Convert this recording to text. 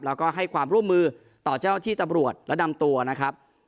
แล้วก็ให้ความร่วมมือต่อเจ้าที่ตำรวจและนำตัวนะครับ